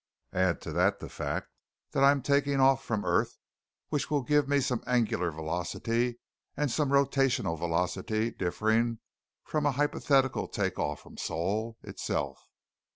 Add to that the fact that I am taking off from earth, which will give me some angular velocity and some rotational velocity differing from an hypothetical take off from Sol itself.